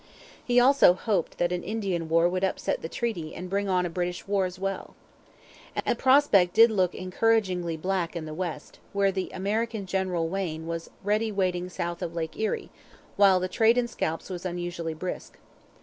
He also hoped that an Indian war would upset the treaty and bring on a British war as well. And the prospect did look encouragingly black in the West, where the American general Wayne was ready waiting south of Lake Erie, while the trade in scalps was unusually brisk.